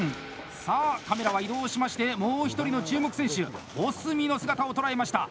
さあカメラは移動しましてもう一人の注目選手保住の姿を捉えました。